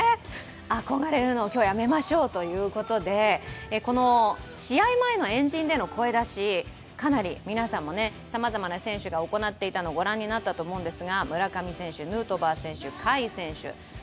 憧れるのを今日やめましょうということで、試合前の円陣での声出し、かなり皆さんもさまざまな選手が行っていたのをご覧になったと思います。